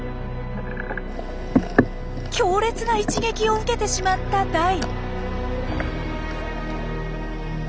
強烈な一撃を受けてしまったダイ。